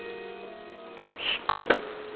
引く。